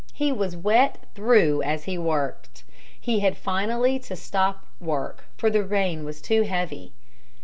He was wet through as he worked. He had finally to stop work, for the rain was too heavy.